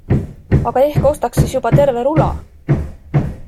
Aga ehk ostaks siis juba terve rula?